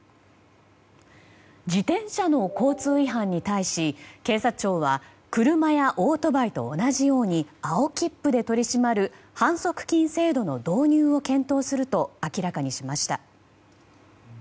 自転車の交通違反に対し警察庁は車やオートバイと同じように青切符で取り締まる反則金制度の導入を検討すると明らかにしました。